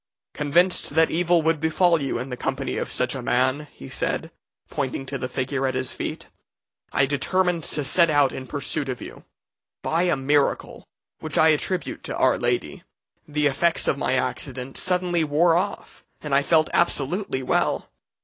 'Convinced that evil would befall you in the company of such a man,' he said, pointing to the figure at his feet, 'I determined to set out in pursuit of you. By a miracle, which I attribute to Our Lady, the effects of my accident suddenly wore off, and I felt absolutely well.